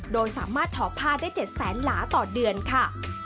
โดยสามารถถอดผ้าได้๗แสนหลาต่อเดือนค่ะ